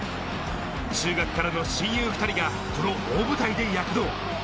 中学からの親友２人がこの大舞台で躍動。